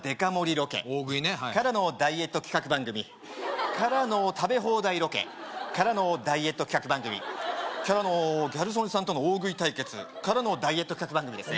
ロケ大食いねからのダイエット企画番組からの食べ放題ロケからのダイエット企画番組からのギャル曽根さんとの大食い対決からのダイエット企画番組ですね